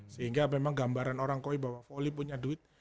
sehingga memang gambaran orang koi bahwa volley punya duit